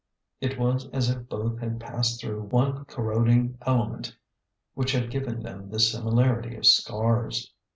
It was as if both had passed through one corrod ing element which had given them the similarity of scars.